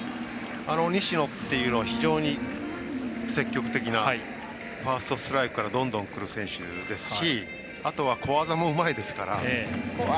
西野っていうのは非常に積極的なファーストストライクからどんどんくる選手ですしあとは小技もうまいですから。